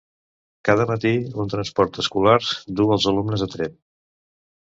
Cada matí un transport escolar du els alumnes a Tremp.